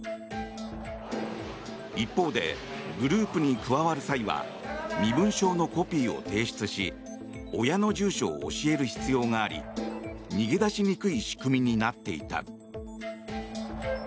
一方で、グループに加わる際は身分証のコピーを提出し親の住所を教える必要があり逃げ出しにくい仕組みになっていた。